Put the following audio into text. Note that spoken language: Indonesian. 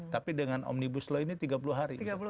tapi dengan omnibus law ini tiga puluh hari